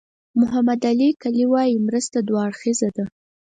محمد علي کلي وایي مرسته دوه اړخیزه ده.